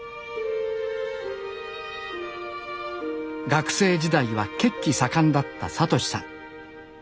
学生時代は血気盛んだった聡志さん。